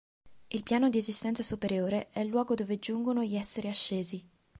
Il piano di esistenza superiore è il luogo dove giungono gli esseri ascesi.